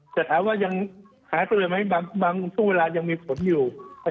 แต่ถามว่ายังหายไปเลยไหมบางช่วงเวลายังมีผลอยู่